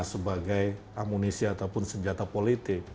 sebagai amunisi ataupun senjata politik